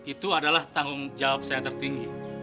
itu adalah tanggung jawab saya tertinggi